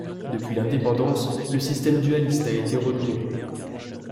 Depuis l’indépendance, le système dualiste a été retenu.